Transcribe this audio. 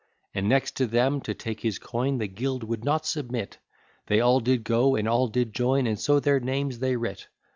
And next to them, to take his coin The Gild would not submit, They all did go, and all did join, And so their names they writ.